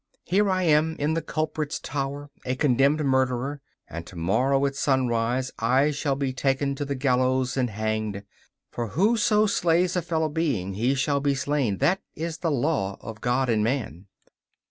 Here am I in the culprit's tower, a condemned murderer, and to morrow at sunrise I shall be taken to the gallows and hanged! For who so slays a fellow being, he shall be slain; that is the law of God and man.